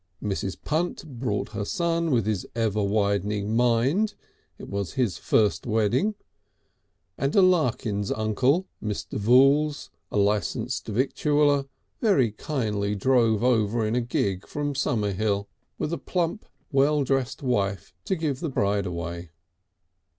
Mrs. Punt brought her son with his ever widening mind, it was his first wedding, and a Larkins uncle, a Mr. Voules, a licenced victualler, very kindly drove over in a gig from Sommershill with a plump, well dressed wife to give the bride away.